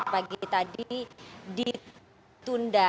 pagi tadi ditunda